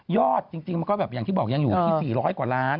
ยอดจริงมันยังอยู่ที่๔๐๐กว่าล้าน